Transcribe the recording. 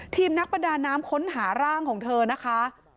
นักประดาน้ำค้นหาร่างของเธอนะคะ